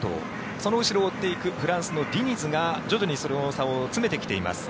その後ろを追っていくフランスのディニズが徐々にその差を詰めてきています。